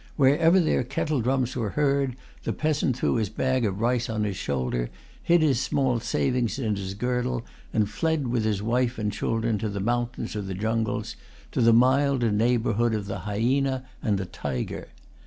Wherever their kettle drums were heard, the peasant threw his bag of rice on his shoulder, hid his small savings in his girdle, and fled with his wife and children to the mountains or the jungles, to the milder neighbourhood of the hyaena and the tiger.